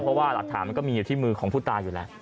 เพราะว่าหลักฐานมันก็มีอยู่ที่มือของผู้ตายอยู่แล้ว